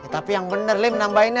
tapi yang bener lo menambahinnya